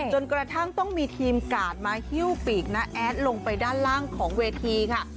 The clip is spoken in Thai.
จนกระทั่งต้องมีทีมกาดมาฮิ้วปีกน้าแอดลงไปด้านล่างของเวทีค่ะ